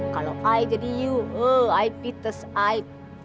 kalo i jadi yuk i pites i